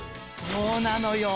そうなのよ。